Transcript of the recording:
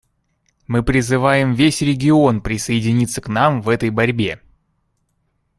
Мы призываем весь регион присоединиться к нам в этой борьбе.